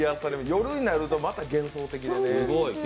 夜になるとまた幻想的なね。